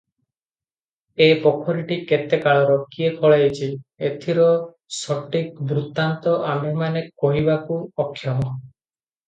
ଏ ପୋଖରୀଟି କେତେକାଳର, କିଏ ଖୋଳାଇଛି ଏଥିର ସଟୀକ ବୃତ୍ତାନ୍ତ ଆମ୍ଭେମାନେ କହିବାକୁ ଅକ୍ଷମ ।